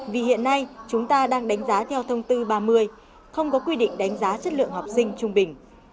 vì hiện nay chúng ta đang đánh giá theo thông tư ba mươi không có quy định đánh giá chất lượng học sinh trung bình